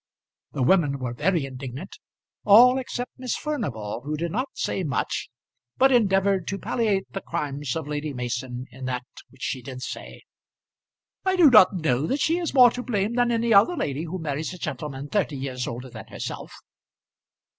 The women were very indignant, all except Miss Furnival, who did not say much, but endeavoured to palliate the crimes of Lady Mason in that which she did say. "I do not know that she is more to blame than any other lady who marries a gentleman thirty years older than herself."